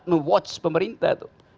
me watch pemerintah tuh